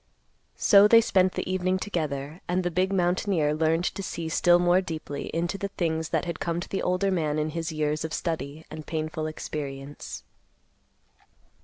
So they spent the evening together, and the big mountaineer learned to see still more deeply into the things that had come to the older man in his years of study and painful experience.